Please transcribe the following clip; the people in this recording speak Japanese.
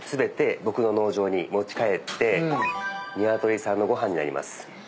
僕の農場に持ち帰ってニワトリさんのご飯になります。